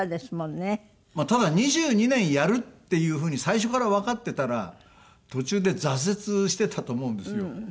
まあただ２２年やるっていう風に最初からわかってたら途中で挫折してたと思うんですよ。